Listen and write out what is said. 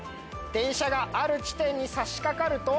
電車がある地点に差しかかると。